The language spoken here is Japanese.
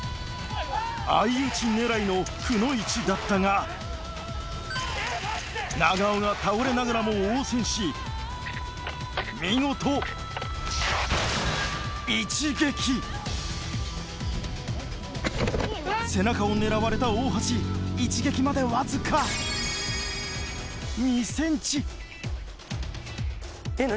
相打ち狙いのくノ一だったが長尾が倒れながらも応戦し見事背中を狙われた大橋一撃までわずか２ｃｍ何？